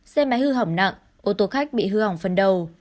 xe máy hư hỏng nặng ô tô khách bị hư hỏng phần đầu